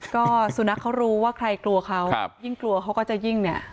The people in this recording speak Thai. ก็สุนัขเขารู้ว่าใครกลัวเขายิ่งกลัวเขาก็จะยิ่งเนี่ย